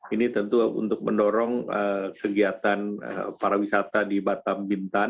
ini tentu untuk mendorong kegiatan para wisata di batam bintan